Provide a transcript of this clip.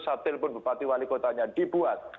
satel pun bupati wali kotanya dibuat